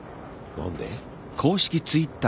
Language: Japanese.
何で？